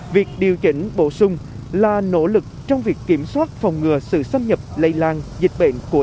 việc điều chỉnh bổ sung là nỗ lực trong việc kiểm soát phòng ngừa sự xâm nhập lây lan dịch bệnh của